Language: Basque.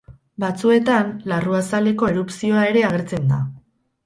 Batzuetan larruazaleko erupzioa ere agertzen da.